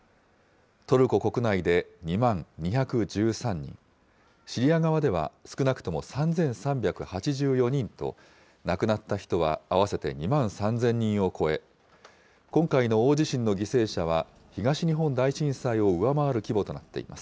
トルコ国内で２万２１３人、シリア側では少なくとも３３８４人と、亡くなった人は合わせて２万３０００人を超え、今回の大地震の犠牲者は、東日本大震災を上回る規模となっています。